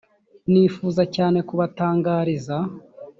nifuza cyane kubatangariza